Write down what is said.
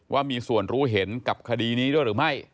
ว่ามีส่วนรู้เห็นกับคดีนี้ด้วยหรือไม่